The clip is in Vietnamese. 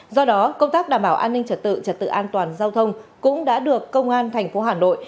do đó công tác đảm bảo an ninh trật tự trật tự an toàn giao thông cũng đã được công an thành phố hà nội